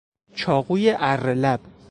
چاقوی اره لب